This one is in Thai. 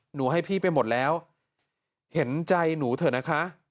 หนูให้พี่ไปหมดแล้วเห็นใจหนูเถอะนะคะ